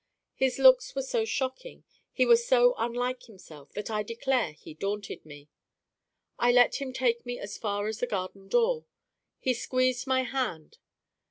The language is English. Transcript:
His looks were so shocking, he was so unlike himself, that I declare he daunted me. I let him take me as far as the garden door. He squeezed my hand.